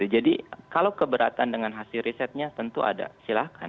jadi kalau keberatan dengan hasil risetnya tentu ada silahkan